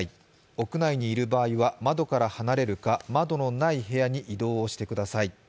屋内にいる場合は窓から離れるか窓のない部屋に移動をしてください。